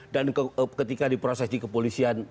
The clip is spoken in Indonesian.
dan ketika diproses di kepolisian